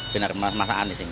benar benar masak anis